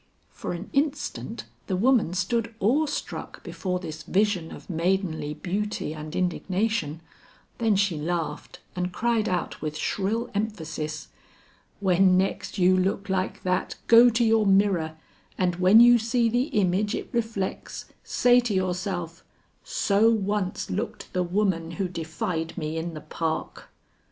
For an instant the woman stood awe struck before this vision of maidenly beauty and indignation, then she laughed and cried out with shrill emphasis: "When next you look like that, go to your mirror, and when you see the image it reflects, say to yourself, 'So once looked the woman who defied me in the Park!'"